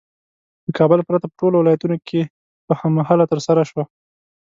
له کابل پرته په ټولو ولایتونو کې په هم مهاله ترسره شوه.